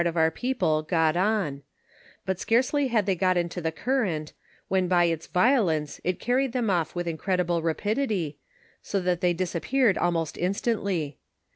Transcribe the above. of our people got on ; but scarcely had they got into the on^ rent, when by its violence it carried them off with incredible rapidity, so that they disappeared almost instantly.